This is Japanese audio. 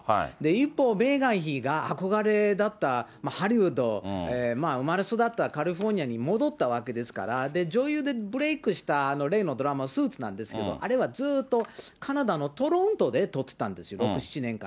一方、メーガン妃が憧れだったハリウッド、生まれ育ったカリフォルニアに戻ったわけですから、女優でブレークした例のドラマ、スーツなんですけど、あれはずっとカナダのトロントで撮ってたんですよ、６、７年間。